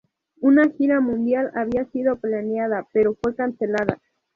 Una gira mundial había sido planeada, pero fue cancelada.